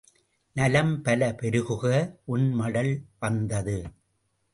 நலம் பல பெருகுக, உன் மடல் வந்தது.